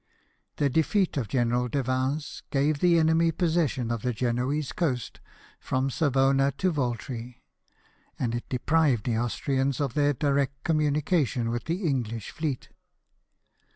The defeat of General de Vins gave the enemy possession of the Genoese coast from Savona to Yoltri ; and it deprived the Austrians of their direct communication with the English fleet.